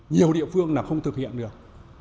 nhiều địa phương là không thực hiện được